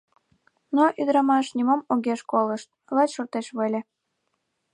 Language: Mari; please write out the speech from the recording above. Но ӱдырамаш нимом огеш колышт, лач шортеш веле.